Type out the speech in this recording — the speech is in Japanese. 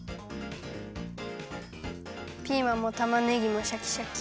ピーマンもたまねぎもシャキシャキ。